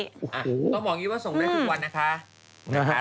ต้องบอกอย่างนี้ว่าส่งได้ทุกวันนะคะ